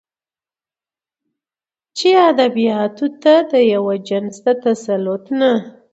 چې له ادبياتو نه د يوه جنس د تسلط نه